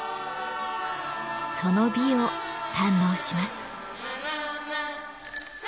その美を堪能します。